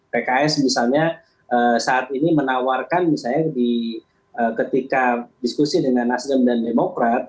pks misalnya saat ini menawarkan misalnya ketika diskusi dengan nasdem dan demokrat